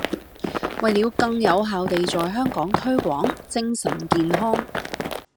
為了更有效地在香港推廣精神健康